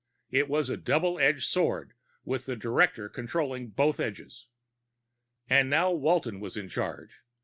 It was a double edged sword with the director controlling both edges. And now Walton was in charge.